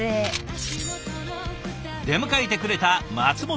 出迎えてくれた松本拓己さん。